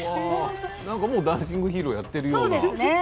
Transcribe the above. もう「ダンシング・ヒーロー」やっているような。